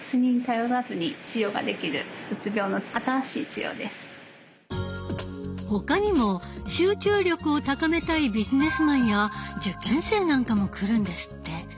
ＴＭＳ治療とは他にも集中力を高めたいビジネスマンや受験生なんかも来るんですって。